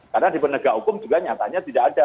karena di penegak hukum juga nyatanya tidak ada